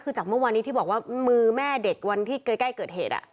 คือจากเมื่อวานนี้ที่บอกว่ามือแม่เด็กวันที่ใกล้เกิดเหตุ